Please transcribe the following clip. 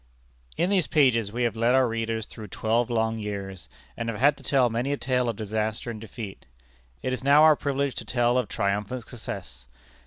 In these pages we have led our readers through twelve long years, and have had to tell many a tale of disaster and defeat. It is now our privilege to tell of triumphant success.